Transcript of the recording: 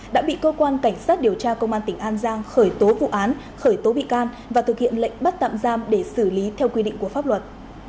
đã bị cơ quan cảnh sát điều tra công an tỉnh an giang khởi tố vụ án khởi tố bị can và thực hiện lệnh bắt tạm giam để xử lý theo quy định của pháp luật